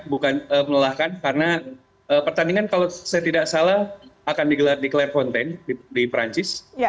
bukan melelahkan karena pertandingan kalau saya tidak salah akan digelar di clap content di perancis